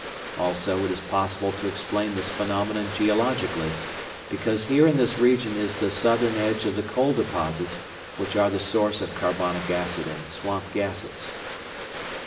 Also it is possible to explain this phenomenon geologically, because here in this region is the southern edge of the coal deposits which are the source of carbonic acid and swamp gases.